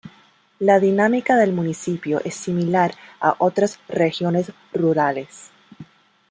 La dinámica del municipio es similar a otras regiones rurales.